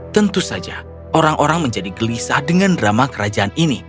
tentu orang orang swirl jadi gelisah dengan drama kerajaan ini